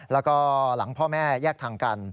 แล้วก็หลังพ่อแม่แยกทางกัน